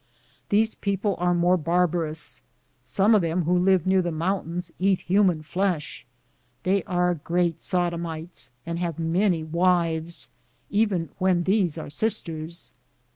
These people are more barbarous. Some of them who live near the mountains eat hu man flesh. They are great sodomites, and have many wives, even when these are sis ters.